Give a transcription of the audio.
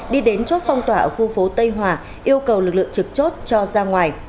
đi đến chốt phong tỏa ở khu phố tây hòa yêu cầu lực lượng trực chốt cho ra ngoài